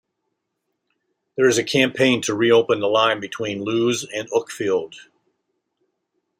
There is a campaign to reopen the line between Lewes and Uckfield.